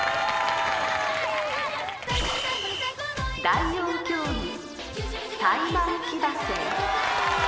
第４競技。